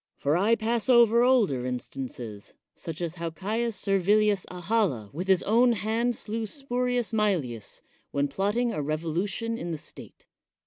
For I pas over older instances, such as how Caius Servilii] Ahala with his own hand slew Spurius Maelii] when plotting a revolution in the state.